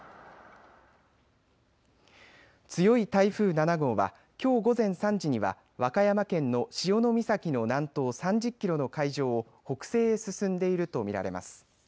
強い台風７号はきょう午前３時には和歌山県の潮岬の南東３０キロの海上を北西へ進んでいると見られます。